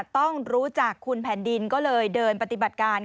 ต้องรู้จักคุณแผ่นดินก็เลยเดินปฏิบัติการ